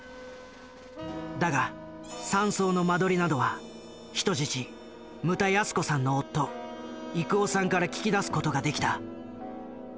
だが山荘の間取りなどは人質牟田泰子さんの夫郁男さんから聞き出す事ができた。